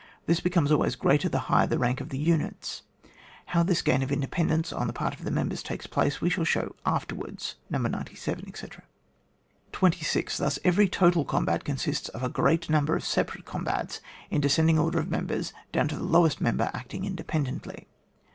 This becomes always greater the higher the rank of the units. How this gain of in dependence on the pcurt of the members takes place, we shall show afterwards (No. 97, etc. ) 26. Thus every total combat consists of a great number of separate combats in descending order of members, down to the lowest member acting indepen dently.